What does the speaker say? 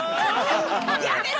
やめろ！